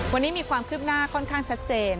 วันนี้มีความคืบหน้าค่อนข้างชัดเจน